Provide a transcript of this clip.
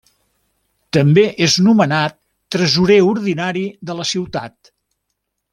També és nomenat Tresorer Ordinari de la ciutat.